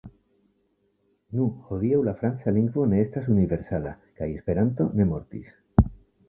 Nu, hodiaŭ la franca lingvo ne estas universala, kaj Esperanto ne mortis.